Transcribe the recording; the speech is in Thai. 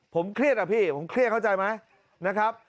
ผมเครียดอะพี่ผมเครียดเข้าใจไหมนะครับ